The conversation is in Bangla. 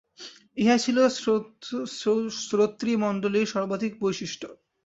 ইহাই ছিল সেই শ্রোতৃমণ্ডলীর সর্বাধিক বৈশিষ্ট্য।